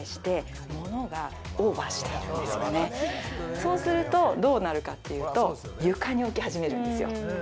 そうするとどうなるかというと、床に置き始めるんですよ。